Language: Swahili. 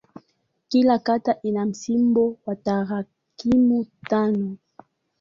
Kila kata ina msimbo wa tarakimu tano.